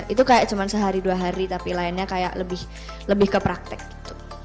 itu kayak cuma sehari dua hari tapi lainnya kayak lebih ke praktek gitu